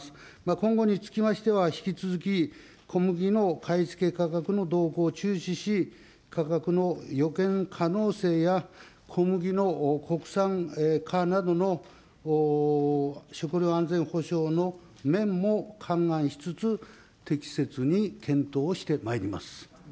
今後につきましては引き続き小麦の買い付け価格の動向を注視し、価格の予見可能性や、小麦の国産化などの食料安全保障の面も勘案しつつ、適切に検討をしてまいります。